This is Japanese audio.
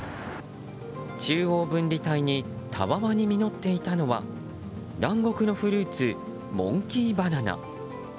中央分離帯にたわわに実っていたのは南国のフルーツ、モンキーバナナ。